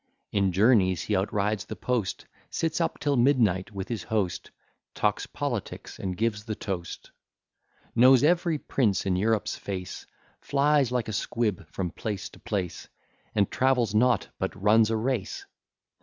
In journeys he outrides the post, Sits up till midnight with his host, Talks politics, and gives the toast. Knows every prince in Europe's face, Flies like a squib from place to place, And travels not, but runs a race.